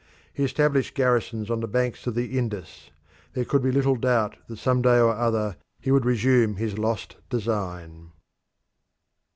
He established garrisons on the banks of the Indus; there could be little doubt that some day or other he would resume his lost design.